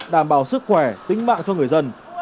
đảm bảo sức khỏe tính mạng cho người dân